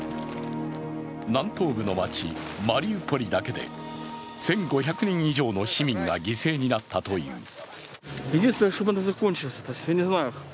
南東部の街マリウポリだけで１５００人以上の市民が犠牲になったという。